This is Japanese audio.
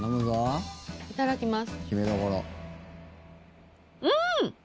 いただきます。